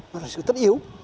nó là sự tất yếu